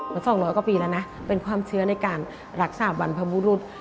มา๒๐๐กว่าปีแล้วนะเป็นความเชื่อในการรักษาบรรพบุรุษ